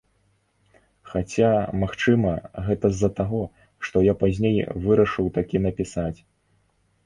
Хаця, магчыма, гэта з-за таго, што я пазней вырашыў такі напісаць.